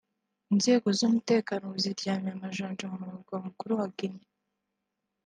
Inzego z’umutekano ubu ziryamiye amajanja mu murwa mukuru wa Guinée